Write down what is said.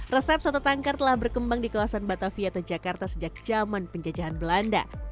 resep soto tangkar telah berkembang di kawasan batavia atau jakarta sejak zaman penjajahan belanda